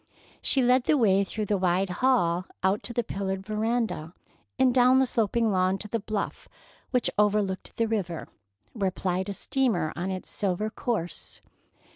She led the way through the wide hall, out to the pillared veranda, and down the sloping lawn to the bluff which overlooked the river, where plied a steamer on its silver course.